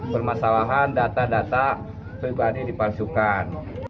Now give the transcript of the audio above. permasalahan data data pribadi dipansuhkan